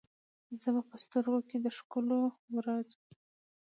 زه به په سترګو کې، د ښکلو ورځو،